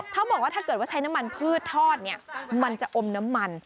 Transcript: เขาบอกว่าถ้าเกิดว่าใช้น้ำมันพืชทอดเนี่ยมันจะอมน้ำมัน